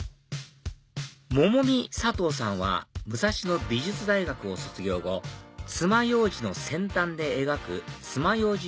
ｍｏｍｏｍｉｓａｔｏさんは武蔵野美術大学を卒業後つまようじの先端で描くつまようじ